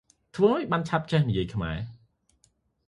ធ្វើម៉េចឆាប់ចេះនិយាយខ្មែរ?